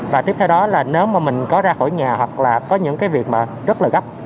và tiếp theo đó là nếu mà mình có ra khỏi nhà hoặc là có những cái việc mà rất là gấp